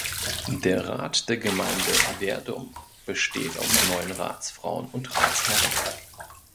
Der Rat der Gemeinde Werdum besteht aus neun Ratsfrauen und Ratsherren.